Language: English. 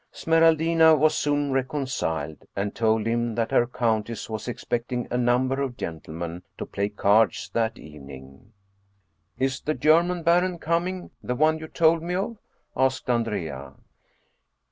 Smeraldina was soon reconciled, and told him that her countess was expecting a number of gen tlemen to play cards that evening. " Is the German baron coming, the one you told me of? " asked Andrea.